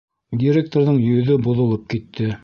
Директорҙың йөҙө боҙолоп китте.